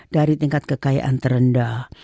dari tingkat kekayaan terendah